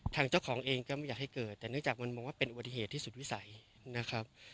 ทางเจ้าของเองก็ไม่อยากให้เกิดแต่เนื่องจากมันมองว่าเป็นอุบัติเหตุที่สุดวิสัยนะครับ